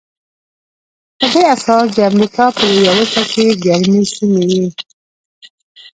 په دې اساس د امریکا په لویه وچه کې ګرمې سیمې وې.